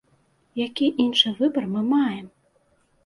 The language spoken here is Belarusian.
Які іншы выбар мы маем!?